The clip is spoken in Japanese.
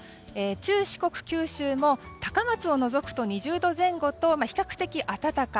中四国、九州も高松を除くと２０度前後と比較的暖か。